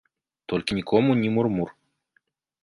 Толькі нікому ні мур-мур.